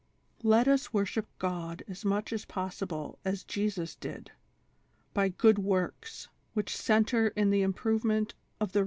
" Let us worship God as much as possible as Jesus did, by 'good works,' which centre in the improvement of the